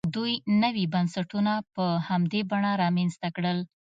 دوی نوي بنسټونه په همدې بڼه رامنځته کړل.